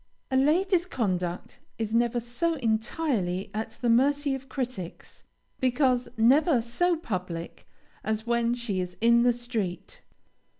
A lady's conduct is never so entirely at the mercy of critics, because never so public, as when she is in the street.